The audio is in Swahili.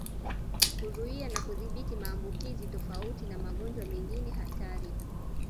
"Kuzuia na kudhibiti maambukizi tofauti na magonjwa mengine hatari"